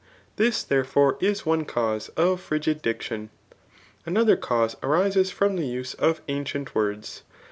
This, therefore, is one cause of frigid diction* Another cause arises from the use of ancient words.